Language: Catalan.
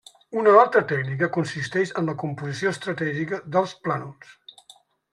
Una altra tècnica consisteix en la composició estratègica dels plànols.